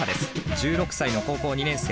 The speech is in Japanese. １６歳の高校２年生。